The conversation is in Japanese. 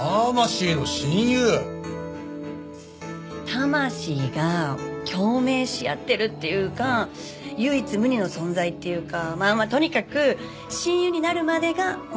魂が共鳴し合ってるっていうか唯一無二の存在っていうかまあまあとにかく親友になるまでがこの第１巻。